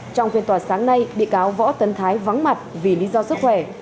trong phiên tòa sáng nay bị cáo võ tấn thái vắng mặt vì lý do sức khỏe